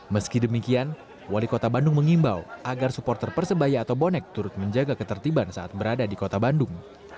meski demikian wali kota bandung mengimbau agar supporter persebaya atau bonek turut menjaga ketertiban saat berada di kota bandung